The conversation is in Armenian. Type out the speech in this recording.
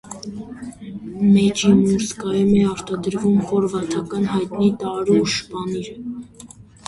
Մեջիմուրսկայում է արտադրվում խորվաթական հայտնի տուրոշ պանիրը։